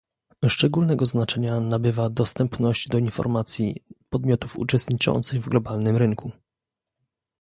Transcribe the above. Szczególnego znaczenia nabywa dostępność do informacji podmiotów uczestniczących w globalnym rynku